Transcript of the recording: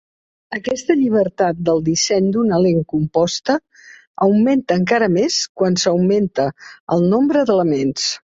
Aquesta llibertat del disseny d'una lent composta augmenta encara més quan s'augmenta el nombre d'elements.